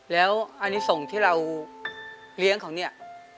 แล้วอันนี้ส่งที่เราเลี้ยงเขาเนี่ย